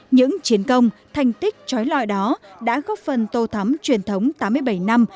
những chiến công thành tích trói lọi đó đã góp phần tô thắm truyền thống tám mươi bảy năm